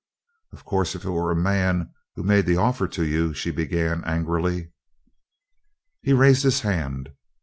"Of course if it were a man who made the offer to you " she began angrily. He raised his hand.